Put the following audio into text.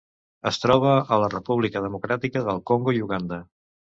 Es troba a la República Democràtica del Congo i Uganda.